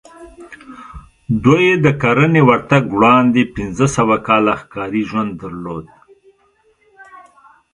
دوی د کرنې ورتګ وړاندې پنځه سوه کاله ښکاري ژوند درلود